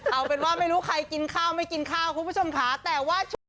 เอาเป็นว่าไม่รู้ใครกินข้าวไม่กินข้าวคุณผู้ชมค่ะแต่ว่าช่วง